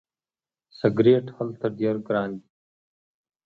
سیګرټ هلته ډیر ګران دي.